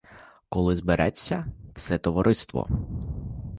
Коли збереться все товариство.